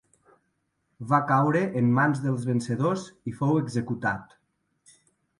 Va caure en mans dels vencedors i fou executat.